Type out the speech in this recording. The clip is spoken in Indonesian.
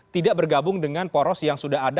tidak bergabung dengan poros yang sudah ada